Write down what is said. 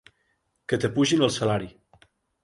Que t'apugin el salari!